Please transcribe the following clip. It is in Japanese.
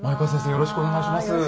よろしくお願いします。